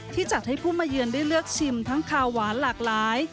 จัดให้ผู้มาเยือนได้เลือกชิมทั้งขาวหวานหลากหลาย